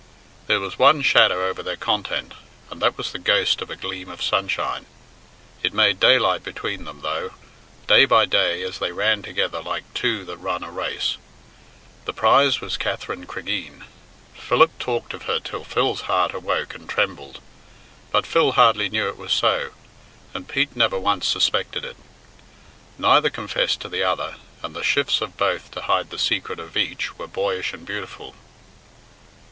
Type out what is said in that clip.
There was one shadow over their content, and that was the ghost of a gleam of sunshine. It made daylight between them, though, day by day as they ran together like two that run a race. The prize was Katherine Cregeen. Pete talked of her till Phil's heart awoke and trembled; but Phil hardly knew it was so, and Pete never once suspected it. Neither confessed to the other, and the shifts of both to hide the secret of each were boyish and beautiful.